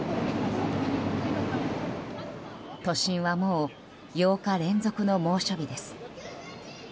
都心はもう８日連続の猛暑日です。